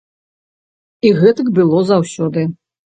І гэтак было заўсёды.